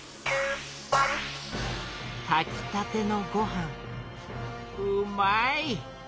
たきたてのごはんうまい！